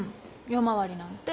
夜回りなんて。